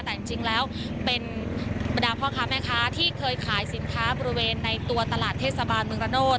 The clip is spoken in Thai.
แต่จริงแล้วเป็นบรรดาพ่อค้าแม่ค้าที่เคยขายสินค้าบริเวณในตัวตลาดเทศบาลเมืองระโนธ